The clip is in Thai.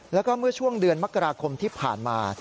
แล้วก็เมื่อช่วงเดือนมกราคมที่ผ่านมา